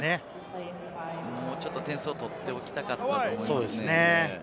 もうちょっと点数を取っておきたかったと思いますね。